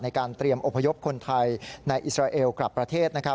ในการเตรียมอพยพคนไทยในอิสราเอลกลับประเทศ